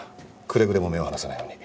くれぐれも目を離さないように。